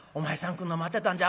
来んの待ってたんじゃ。